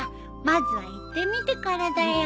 まずは行ってみてからだよ。